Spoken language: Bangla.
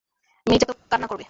মির্জা তো কান্না করবে।